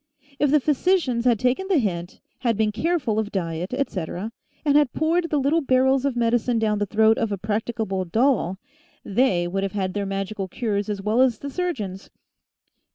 If the physicians had taken the hint, had been careful of diet, etc., and had poured the little barrels of medicine down the throat of a practicable doll, they would have had their magical cures as well as the surgeons.